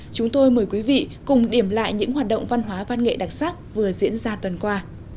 chúng tôi mời quý vị cùng điểm lại những hoạt động văn hóa văn nghệ đặc sắc vừa diễn ra tuần qua